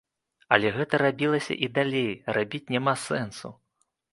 Але гэта рабілася, і далей рабіць няма сэнсу.